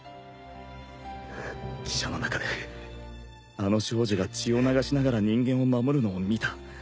汽車の中であの少女が血を流しながら人間を守るのを見た。